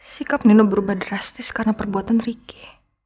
sikap nino berubah drastis karena perbuatan ricky